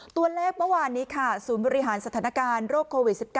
ตัวเลขเมื่อวานนี้ค่ะศูนย์บริหารสถานการณ์โรคโควิด๑๙